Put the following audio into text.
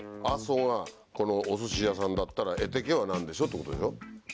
「あそ」がこのおすし屋さんだったら「えてけ」は何でしょう？ってことでしょ。